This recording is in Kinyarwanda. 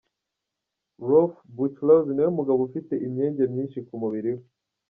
Rolf Buchholz ni we mugabo ufite imyenge myinshi ku mubiri we.